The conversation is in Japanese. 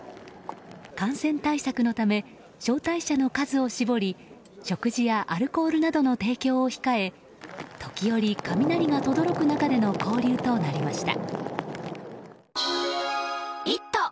感染対策のため招待者の数を絞り食事やアルコールなどの提供を控え時折、雷がとどろく中での交流となりました。